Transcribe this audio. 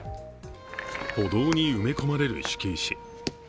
歩道に埋め込まれる敷石。